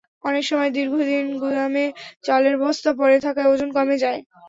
অনেক সময় দীর্ঘদিন গুদামে চালের বস্তা পড়ে থাকায় ওজন কমে যায়।